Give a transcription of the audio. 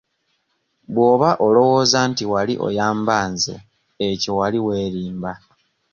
Bw'oba olowooza nti wali oyamba nze ekyo wali weerimba.